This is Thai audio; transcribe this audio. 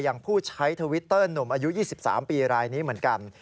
ผู้ใช้ทวิตเตอร์หนุ่มอายุ๒๓ปีรายนี้เหมือนกัน